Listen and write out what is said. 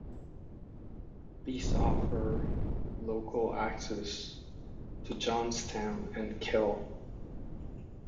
These offer local access to Johnstown and Kill.